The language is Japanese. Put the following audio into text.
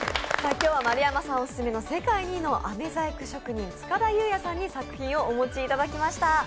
今日は丸山さんオススメの世界２位のあめ細工職人、塚田悠也さんに作品をお持ちいただきました。